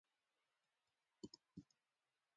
سويلي ولایتونه پرېمانه د جنغوزیو او چارمغزو ځنګلونه لري